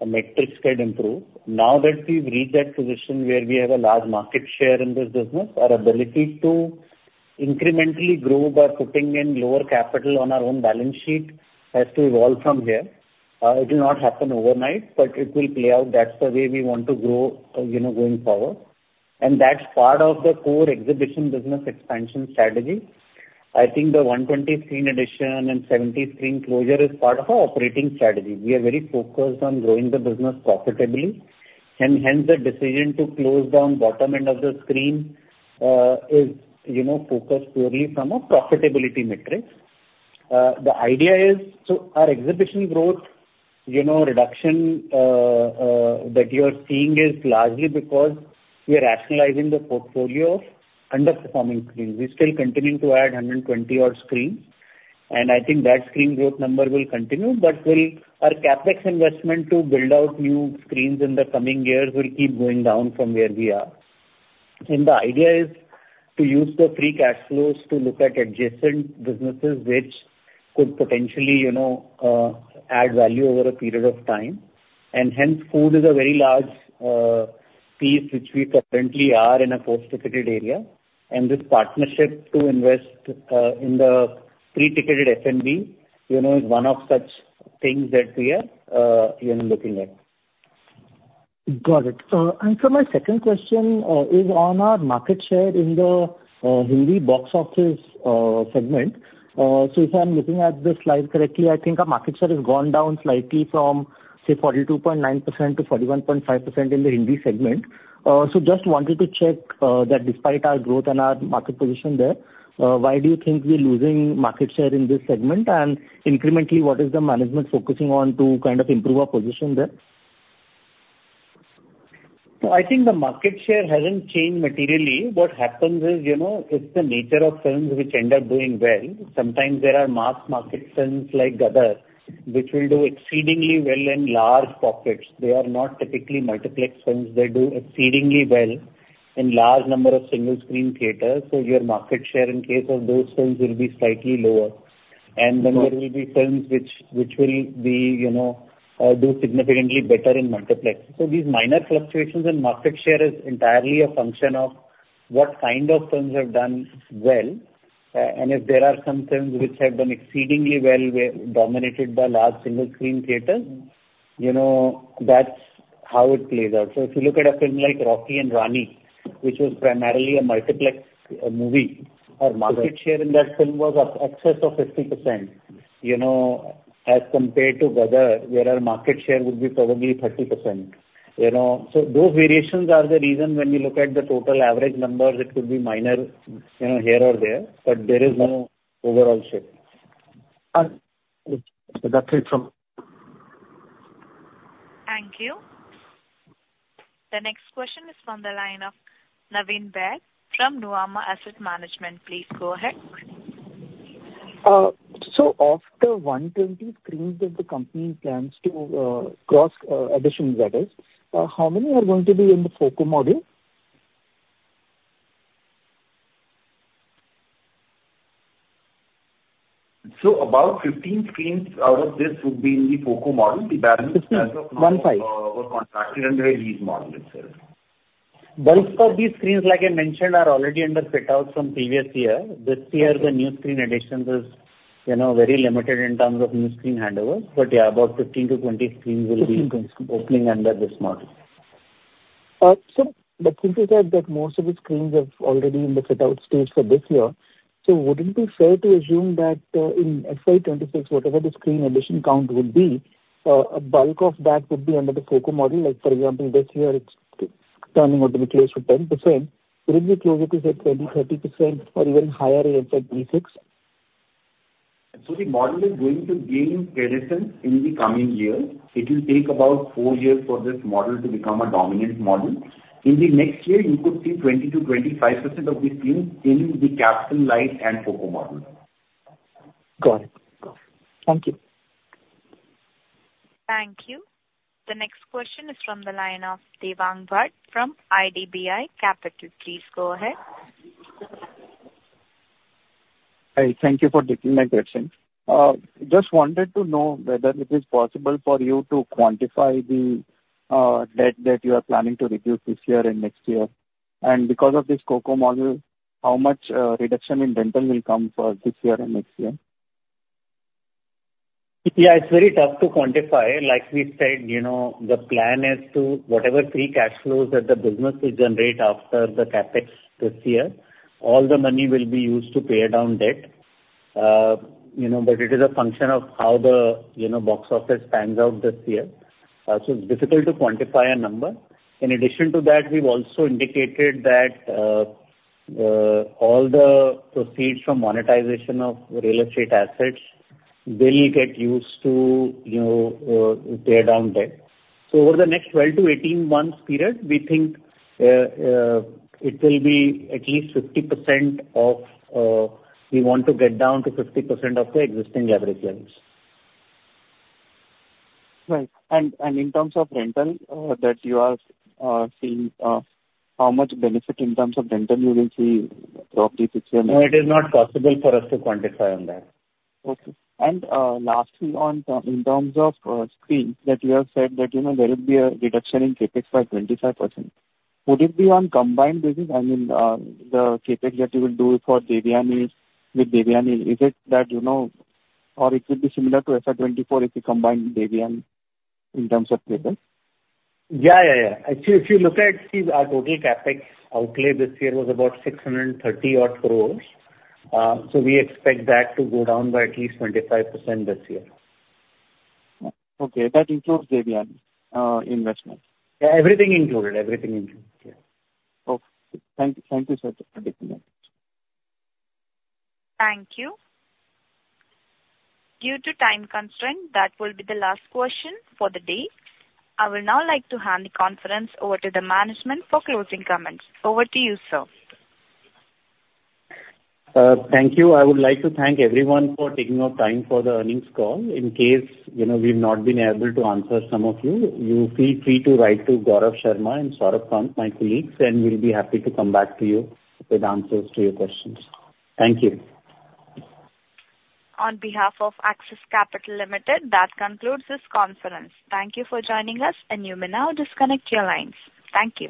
the metrics could improve. Now that we've reached that position where we have a large market share in this business, our ability to incrementally grow by putting in lower capital on our own balance sheet has to evolve from here. It will not happen overnight, but it will play out. That's the way we want to grow, you know, going forward. And that's part of the core exhibition business expansion strategy. I think the 120 screen addition and 70 screen closure is part of our operating strategy. We are very focused on growing the business profitably, and hence the decision to close down bottom end of the screen, is, you know, focused purely from a profitability metric. The idea is, so our exhibition growth, you know, reduction, that you're seeing is largely because we are rationalizing the portfolio of underperforming screens. We're still continuing to add 120-odd screens, and I think that screen growth number will continue, but our CapEx investment to build out new screens in the coming years will keep going down from where we are. And the idea is to use the free cash flows to look at adjacent businesses which could potentially, you know, add value over a period of time. And hence, food is a very large piece, which we currently are in a post-ticketed area, and this partnership to invest in the pre-ticketed F&B, you know, is one of such things that we are, you know, looking at. Got it. And so my second question is on our market share in the Hindi box office segment. So if I'm looking at the slide correctly, I think our market share has gone down slightly from, say, 42.9% to 41.5% in the Hindi segment. So just wanted to check that despite our growth and our market position there, why do you think we're losing market share in this segment? And incrementally, what is the management focusing on to kind of improve our position there? I think the market share hasn't changed materially. What happens is, you know, it's the nature of films which end up doing well. Sometimes there are mass market films like Gadar, which will do exceedingly well in large pockets. They are not typically multiplex films. They do exceedingly well in large number of single screen theaters, so your market share in case of those films will be slightly lower. Then there will be films which will be, you know, do significantly better in multiplex. So these minor fluctuations in market share is entirely a function of what kind of films have done well. And if there are some films which have done exceedingly well, were dominated by large single screen theaters, you know, that's how it plays out. So if you look at a film like Rocky and Rani, which was primarily a multiplex movie-Right. Our market share in that film was in excess of 50% you know, as compared to other, where our market share would be probably 30%. You know, so those variations are the reason when you look at the total average numbers, it could be minor, you know, here or there, but there is no overall shift. That's it from- Thank you. The next question is from the line of Naveen Baid from Nuvama Asset Management. Please go ahead. So, of the 120 screens that the company plans to gross additions, how many are going to be in the FOCO model? About 15 screens out of this would be in the FOCO model. The balance-15, 15. Were contracted under a lease model itself. Bulk of these screens, like I mentioned, are already under fit-outs from previous year. This year, the new screen additions is, you know, very limited in terms of new screen handover, but yeah, about 15-20 screens will be under this model. So but since you said that most of the screens are already in the fit-out stage for this year, so would it be fair to assume that, in FY 2026, whatever the screen addition count would be, a bulk of that would be under the FOCO model? Like, for example, this year, it's turning out to be close to 10%. Will it be closer to, say, 20, 30% or even higher in FY 2026? The model is going to gain presence in the coming years. It will take about four years for this model to become a dominant model. In the next year, you could see 20%-25% of the screens in the Capital Light, and FOCO model. Got it. Thank you. Thank you. The next question is from the line of Devang Bhatt from IDBI Capital. Please go ahead. Hi, thank you for taking my question. Just wanted to know whether it is possible for you to quantify the debt that you are planning to reduce this year and next year. And because of this FOCO model, how much reduction in rental will come for this year and next year? Yeah, it's very tough to quantify. Like we said, you know, the plan is to whatever free cash flows that the business will generate after the CapEx this year, all the money will be used to pay down debt. You know, but it is a function of how the, you know, box office pans out this year. So it's difficult to quantify a number. In addition to that, we've also indicated that, all the proceeds from monetization of real estate assets, they will get used to, you know, pay down debt. So over the next 12-18 months period, we think, it will be at least 50% of, we want to get down to 50% of the existing average loans. Right. And in terms of rental that you are seeing, how much benefit in terms of rental you will see roughly this year? No, it is not possible for us to quantify on that. Okay. Lastly, in terms of screens, that you have said that, you know, there will be a reduction in CapEx by 25%. Would it be on combined business? I mean, the CapEx that you will do for Devyani with Devyani, is it that, you know, or it would be similar to FY 2024 if you combine Devyani in terms of CapEx? Yeah, yeah, yeah. Actually, if you look at our total CapEx outlay this year was about 630 odd crores. So we expect that to go down by at least 25% this year. Okay, that includes Devyani investment? Yeah, everything included. Everything included, yeah. Okay. Thank you, thank you, sir, for taking my question. Thank you. Due to time constraint, that will be the last question for the day. I will now like to hand the conference over to the management for closing comments. Over to you, sir. Thank you. I would like to thank everyone for taking out time for the earnings call. In case, you know, we've not been able to answer some of you, you feel free to write to Gaurav Sharma and Saurabh Kant, my colleagues, and we'll be happy to come back to you with answers to your questions. Thank you. On behalf of Axis Capital Limited, that concludes this conference. Thank you for joining us, and you may now disconnect your lines. Thank you.